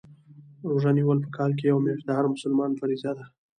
روژه نیول په کال کي یوه میاشت د هر مسلمان فریضه ده